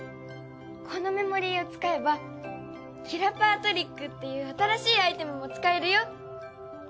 このメモリーを使えばキラパワトリックっていう新しいアイテムも使えるよ！